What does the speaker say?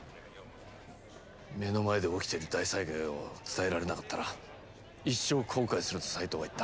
目の前で起きてる大災害を伝えられなかったら一生後悔すると斎藤は言った。